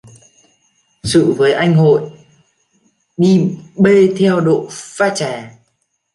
Sự với A Hội đi bê theo độ pha trà